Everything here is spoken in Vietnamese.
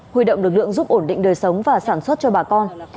huy động lực lượng giúp ổn định đời sống và sản xuất cho bà con